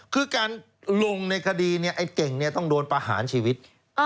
อ้อคือการลงในคดีเนี่ยไอ้เก่งเนี่ยต้องโดนประหารชีวิต